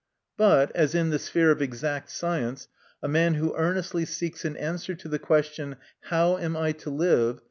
But, as in the sphere of exact science, a man who earnestly seeks an answer to the question, "How am I to live?"